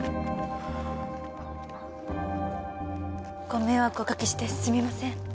ご迷惑をお掛けしてすみません。